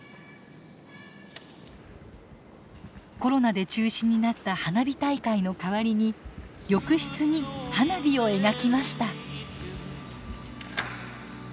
コロナで中止になった花火大会の代わりに浴室に花火を描きました。